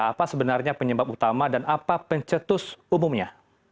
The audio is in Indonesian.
apa sebenarnya penyebab utama dan apa pencetus umumnya